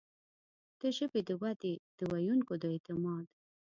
د ژبې د ودې، د ویونکو د اعتماد